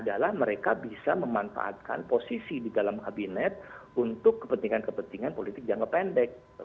karena mereka bisa memanfaatkan posisi di dalam kabinet untuk kepentingan kepentingan politik jangka pendek